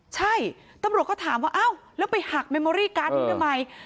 ใช่ตำรวจก็ถามว่าอ้าวแล้วไปหักเมมอรี่การ์ดนี้ทำไม